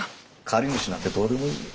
借り主なんてどうでもいい。